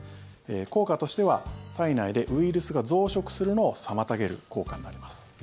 効果としては体内でウイルスが増殖するのを妨げる効果になります。